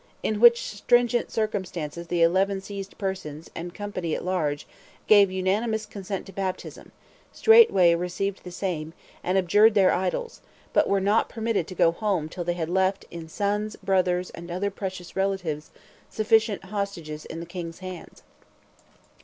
In which stringent circumstances the eleven seized persons, and company at large, gave unanimous consent to baptism; straightway received the same, and abjured their idols; but were not permitted to go home till they had left, in sons, brothers, and other precious relatives, sufficient hostages in the king's hands.